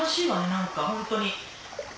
何かホントに。